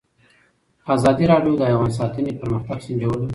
ازادي راډیو د حیوان ساتنه پرمختګ سنجولی.